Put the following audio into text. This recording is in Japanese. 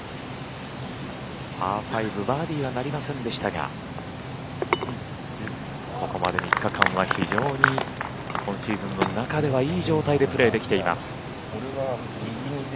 パー５、バーディーはなりませんでしたがここまで３日間は非常に今シーズンの中ではいい状態でプレーできています。